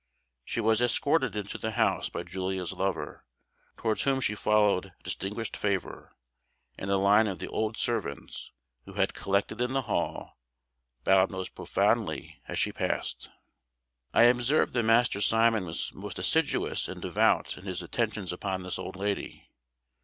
She was escorted into the house by Julia's lover, towards whom she showed distinguished favour; and a line of the old servants, who had collected in the hall, bowed most profoundly as she passed. I observed that Master Simon was most assiduous and devout in his attentions upon this old lady.